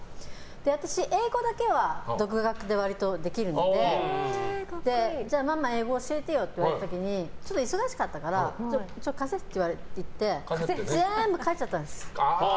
私、英語だけは独学で割とできるのでママ、英語教えてよって言われた時に忙しかったから貸せって言って全部書いちゃったんです。